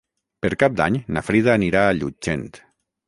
Per Cap d'Any na Frida anirà a Llutxent.